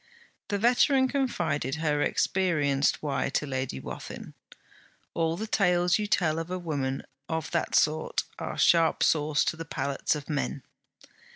The veteran confided her experienced why to Lady Wathin: 'All the tales you tell of a woman of that sort are sharp sauce to the palates of men.'